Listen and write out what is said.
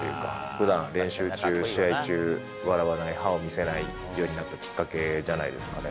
ふだん練習中、試合中、笑わない、歯を見せないようになったきっかけじゃないですかね。